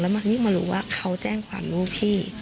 แล้วมันนี่มารู้ว่าเขาแจ้งความรู้พี่